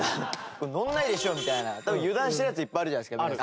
これのらないでしょみたいな多分油断してるやついっぱいあるじゃないですか。